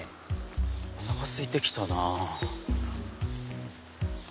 おなかすいてきたなぁ。